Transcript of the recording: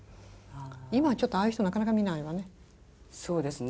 今はちょっとああいう人なかなか見ないわね。